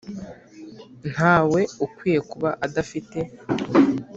ntawe ukwiye kuba adafite.